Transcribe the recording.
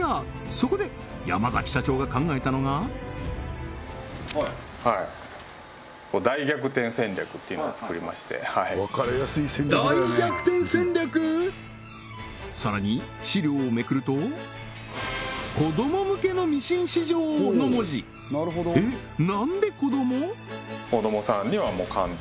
そこで山社長が考えたのがさらに資料をめくると「子供向けのミシン市場」の文字えっ何で子ども？